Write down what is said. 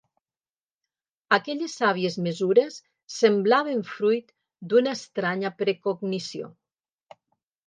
Aquelles sàvies mesures semblaven fruit d'una estranya precognició.